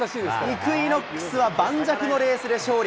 イクイノックスは盤石のレースで勝利。